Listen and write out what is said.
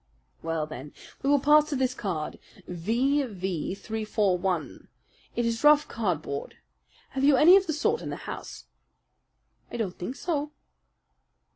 "Well, then, we will pass to this card V.V. 341. It is rough cardboard. Have you any of the sort in the house?" "I don't think so."